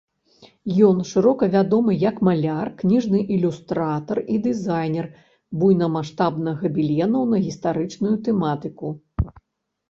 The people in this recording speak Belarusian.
Ён шырока вядомы як маляр, кніжны ілюстратар і дызайнер буйнамаштабных габеленаў на гістарычную тэматыку.